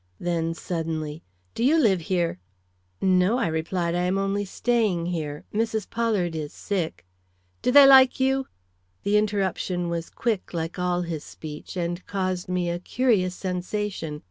Then suddenly, "Do you live here?" "No," I replied, "I am only staying here. Mrs. Pollard is sick " "Do they like you?" The interruption was quick, like all his speech, and caused me a curious sensation.